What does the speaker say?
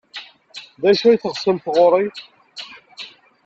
D acu ay teɣsemt ɣer-i?